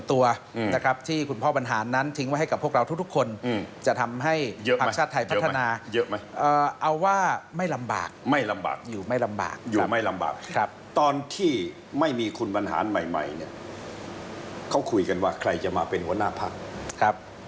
ตอนที่ไม่มีคุณบรรหารใหม่เนี่ยเค้าคุยกันว่าใครจะมาเป็นหัวหน้าพัก